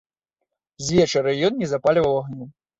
Звечара ён не запальваў агню.